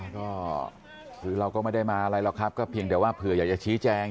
ก็คือเราก็ไม่ได้มาอะไรหรอกครับก็เพียงแต่ว่าเผื่ออยากจะชี้แจง